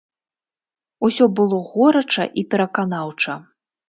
Усё было горача і пераканаўча.